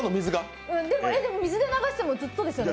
でも水で流してもずっとですよね。